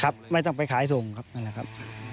ไม่ต้องไปขายส่งครับนั่นแหละครับ